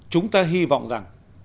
chúng ta hy vọng rằng